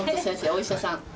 お医者さん。